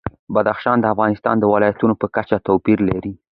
بدخشان د افغانستان د ولایاتو په کچه توپیر لري.